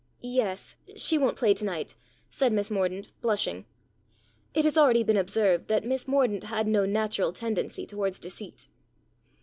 "Yes, she won't play to night," said Miss Mordaunt, blushing. It has already been observed that Miss Mordaunt had no natural tendency towards deceit.